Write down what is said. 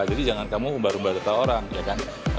jadi jangan kamu umbar umbar data orang ya kan